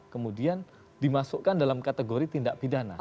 kemudian dimasukkan dalam kategori tindak pidana